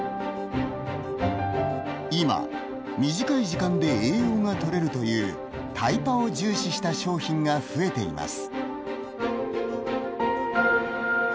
今短い時間で栄養がとれるというタイパを重視した商品が増えています。